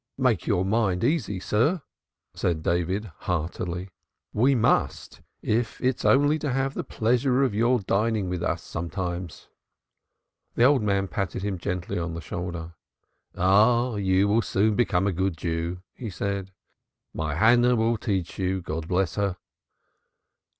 "Make your mind easy, sir," said David heartily. "We must, if it's only to have the pleasure of your dining with us sometimes." The old man patted him gently on the shoulder. "Ah, you will soon become a good Jew," he said. "My Hannah will teach you, God bless her."